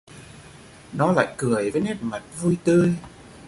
Nó lại cười với nét mặt vui tươi